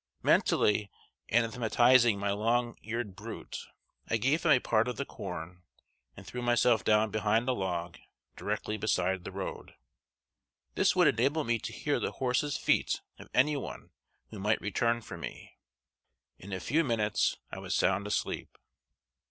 Mentally anathematizing my long eared brute, I gave him a part of the corn, and threw myself down behind a log, directly beside the road. This would enable me to hear the horse's feet of any one who might return for me. In a few minutes I was sound asleep.